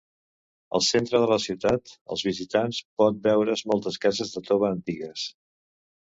Al centre de la ciutat, els visitants pot veure moltes cases de tova antigues.